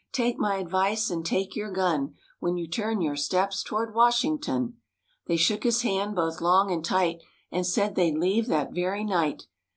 Take my advice and take your gun When you turn your steps towards Washington." They shook his hand both long and tight And said they'd leave that very night.